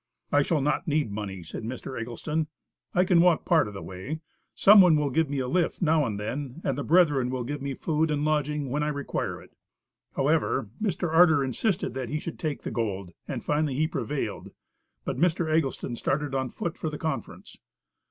"I shall not need money," said Mr. Eggleston. "I can walk part of the way, some one will give me a lift now and then and the brethren will give me food and lodging when I require it." However, Mr. Arter insisted that he should take the gold, and he finally prevailed, but Mr. Eggleston started on foot for the conference.